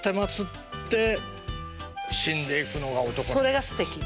それがすてき。